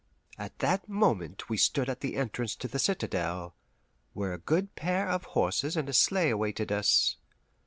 At that moment we stood at the entrance to the citadel, where a good pair of horses and a sleigh awaited us.